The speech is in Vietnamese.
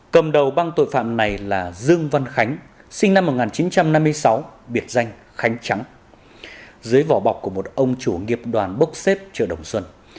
cầm đầu băng tội phạm này là dương văn khánh sinh năm một nghìn chín trăm năm mươi sáu biệt danh khánh trắng dưới vỏ bọc của một ông chủ nghiệp đoàn bốc xếp chợ đồng xuân